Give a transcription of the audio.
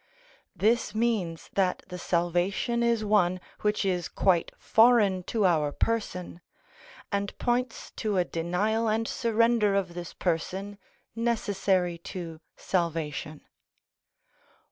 This means that the salvation is one which is quite foreign to our person, and points to a denial and surrender of this person necessary to salvation.